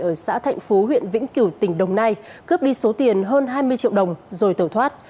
ở xã thạnh phú huyện vĩnh cửu tỉnh đồng nai cướp đi số tiền hơn hai mươi triệu đồng rồi tẩu thoát